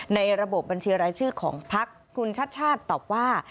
ในระบบบัญชีรายชื่อของพักคุณชาติชาติตอบว่า